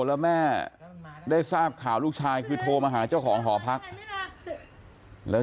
แล้วแม่ได้ทราบข่าวลูกชายคือโทรมาหาเจ้าของหอพักแล้ว